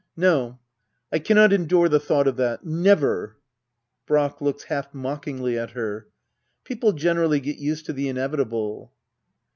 ] No, I cannot endure the thought of that ! Never ! Brack. [Looks half mockingly at her.] People generally get used to the inevitable.